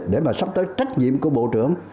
để mà sắp tới trách nhiệm của bộ trưởng